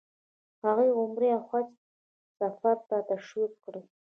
هغوی عمرې او حج سفر ته تشویق کړي.